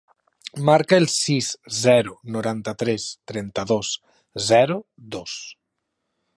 Marca el sis, zero, noranta-tres, trenta-dos, zero, dos.